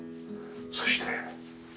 そして。